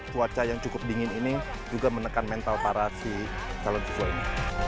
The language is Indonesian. cuaca yang cukup dingin ini juga menekan mental para si calon siswa ini